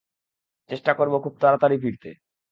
চেষ্টা করব খুব তাড়াতাড়ি ফিরতে।